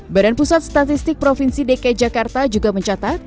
badan pusat statistik provinsi dki jakarta juga mencatat